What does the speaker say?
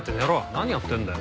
何やってんだよ。